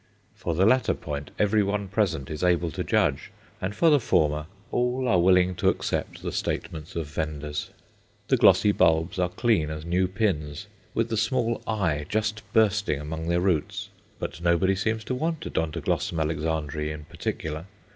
For the latter point everyone present is able to judge, and for the former all are willing to accept the statements of vendors. The glossy bulbs are clean as new pins, with the small "eye" just bursting among their roots; but nobody seems to want Odontoglossum Alexandræ in particular.